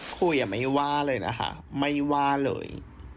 พูดอย่าไม่ว่าเลยน่ะค่ะไม่ว่าเลย